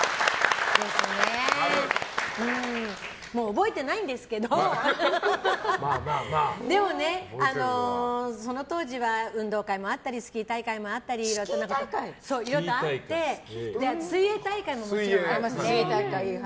覚えてないんですけどでもね、その当時は運動会もあったりスキー大会もあったりいろいろあって水泳大会ももちろんあって。